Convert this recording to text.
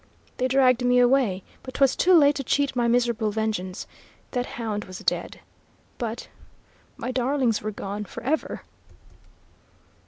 They dragged me away, but 'twas too late to cheat my miserable vengeance. That hound was dead, but my darlings were gone, for ever!"